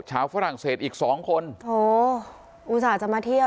ฝรั่งเศสอีกสองคนโถอุตส่าห์จะมาเที่ยว